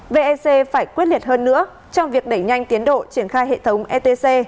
vec phải quyết liệt hơn nữa trong việc đẩy nhanh tiến độ triển khai hệ thống etc